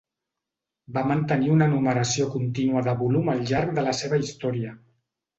Va mantenir una numeració continua de volum al llarg de la seva història.